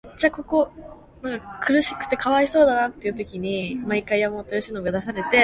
격한 게임을 하기 전에는 준비운동을 해주시는 게 예의 아닐까요?